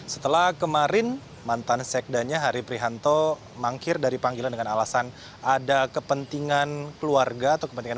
setelah kemarin mantan sekdanya hari prihanto mangkir dari panggilan dengan alasan ada kepentingan keluarga atau kepentingan